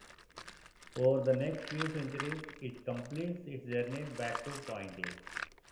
Over the next few centuries it completes its journey back to point A.